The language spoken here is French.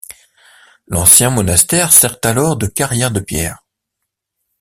L'ancien monastère sert alors de carrière de pierres.